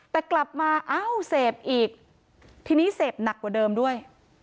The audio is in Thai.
แต่กลับมาอ้าวเสพอีกทีนี้เสพหนักกว่าเดิมด้วย